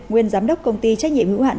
nguyên giám đốc công ty trách nhiệm hữu hạn